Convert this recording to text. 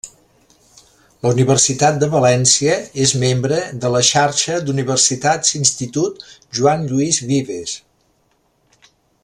La Universitat de València és membre de la Xarxa d'Universitats Institut Joan Lluís Vives.